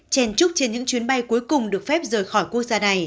chèn trúc trên những chuyến bay cuối cùng được phép rời khỏi quốc gia này